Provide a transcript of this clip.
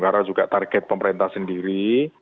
karena juga target pemerintah sendiri